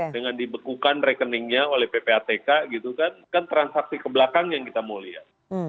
dengan dibekukan rekeningnya oleh ppatk gitu kan kan transaksi ke belakang yang kita mau lihat